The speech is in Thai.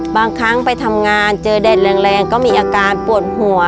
บางครั้งไปทำงานเจอแดดแรงก็มีอาการปวดหัว